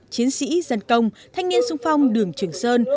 chiến sĩ dân công thanh niên sung phong đường trường sơn